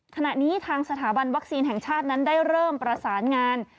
ขณะนี้ทางสถาบันวัคซีนแห่งชาตินั้นได้เริ่มประสานงาน